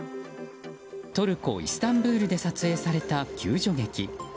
トルコ・イスタンブールで撮影された救助劇。